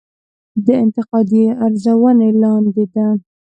دا انتقادي ارزونې لاندې ده.